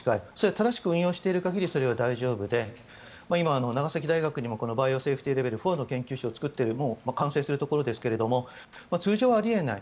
正しく運用している限りは大丈夫で今、長崎大学にもバイオセーフティーレベル４の研究所を作っていて完成するところですが通常あり得ない。